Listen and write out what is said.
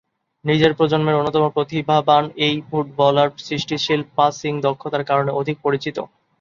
নিজের প্রজন্মের অন্যতম প্রতিভাবান এই ফুটবলার সৃষ্টিশীল পাসিং দক্ষতার কারণে অধিক পরিচিত।